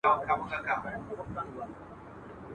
والي وويل: «د خپلواکۍ قدر وکړئ!»